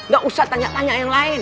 gak usah tanya tanya yang lain